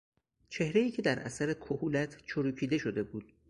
چهرهای که در اثر کهولت چروکیده شده بود